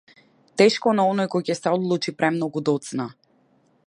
Тешко на оној кој ќе се одлучи премногу доцна.